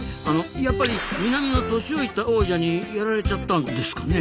やっぱり南の年老いた王者にやられちゃったんですかね？